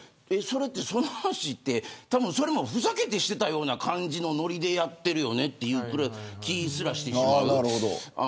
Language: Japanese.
その話って、それもふざけてしていたような感じのノリでやっているよねという気すらしてしまう。